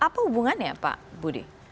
apa hubungannya pak budi